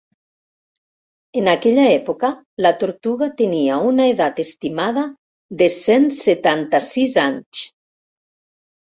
En aquella època la tortuga tenia una edat estimada de cent setanta-sis anys.